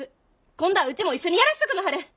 今度はうちも一緒にやらしとくなはれ。